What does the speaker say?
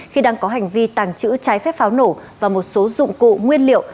khi đang có hành vi tàng trữ trái phép pháo nổ và một số dụng cụ nguyên liệu